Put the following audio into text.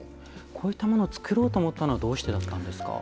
こういったものを作ろうと思ったのはどうしてなんでしょうか。